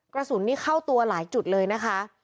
กระสุนนี่เข้าตัวหลายจุดเลยนะคะ